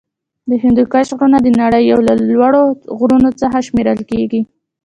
د هندوکش غرونه د نړۍ یو له لوړو غرونو څخه شمېرل کیږی.